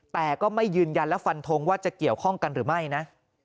แต่ก็ไม่ยืนยันและฟันทงว่าจะเกี่ยวข้องกันหรือไม่นะ